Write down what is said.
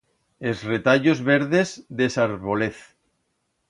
Es retallos verdes d'es arbolez.